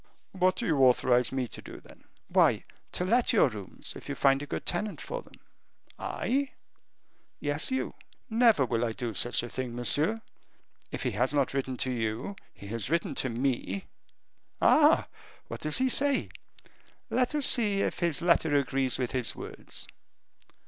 "What do you authorize me to do, then?" "Why, to let your rooms if you find a good tenant for them." "I?" "Yes, you." "Never will I do such a thing, monsieur. If he has not written to you, he has written to me." "Ah! what does he say? Let us see if his letter agrees with his words."